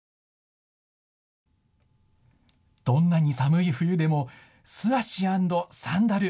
どんなに寒い冬でも素足＆サンダル！